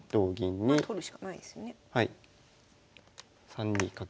３二角。